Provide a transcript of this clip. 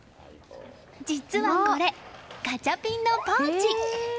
実はこれ、ガチャピンのポーチ。